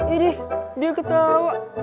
edih dia ketawa